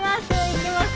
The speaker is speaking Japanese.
行きます